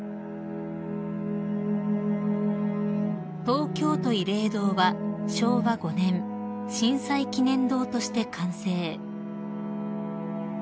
［東京都慰霊堂は昭和５年震災記念堂として完成］